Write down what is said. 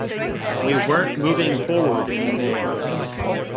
We weren't moving forward anymore.